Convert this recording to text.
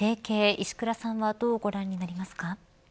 石倉さんはどうご覧になりますか。